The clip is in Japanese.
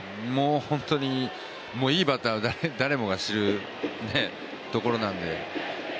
本当にいいバッターなのは誰もが知るところなので。